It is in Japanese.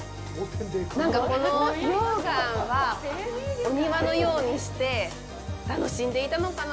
なんかこの溶岩はお庭のようにして楽しんでいたのかな。